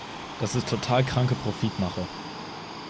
Das ist total kranke Profitmache!